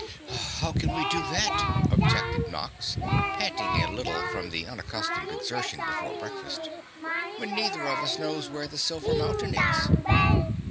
"How can we do that," objected Nox, panting a little from the unaccustomed exertion before breakfast, "when neither of us knows where this Silver Mountain is?"